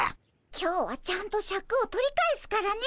今日はちゃんとシャクを取り返すからね。